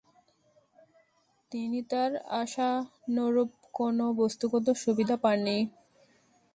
তিনি তার আশানুরূপ কোন বস্তুগত সুবিধা পাননি।